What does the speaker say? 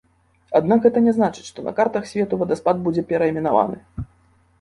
Аднак гэта не значыць, што на картах свету вадаспад будзе перайменаваны.